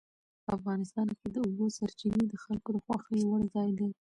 افغانستان کې د اوبو سرچینې د خلکو د خوښې وړ ځای دی.